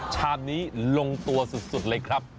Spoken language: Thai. ชามนี้ลงตัวสุดเลยครับ